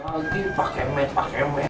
lagi pak kemet pak kemet